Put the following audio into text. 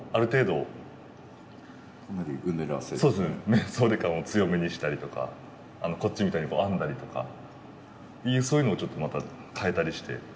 メンソーレ感を強めにしたりとかこっちみたいに編んだりとかそういうのをちょっとまた変えたりして。